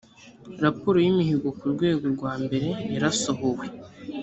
raporo yimihigo ku rwego rwa mbere yarasohowe